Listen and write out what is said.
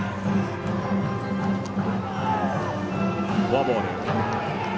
フォアボール。